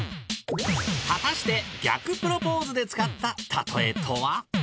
果たして逆プロポーズで使った「たとえ」とは？